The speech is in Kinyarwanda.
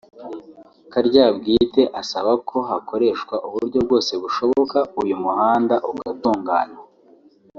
Karyabwite asaba ko hakoreshwa uburyo bwose bushoboka uyu muhanda ugatunganywa